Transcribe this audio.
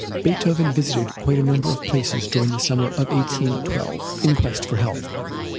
Beethoven visited quite a number of places during the summer of 1812 in quest of health.